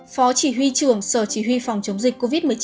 phó chỉ huy trưởng sở chỉ huy phòng chống dịch covid một mươi chín